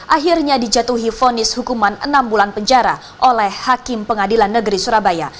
akhirnya dijatuhi vonis hukuman enam bulan penjara oleh hakim pengadilan negeri surabaya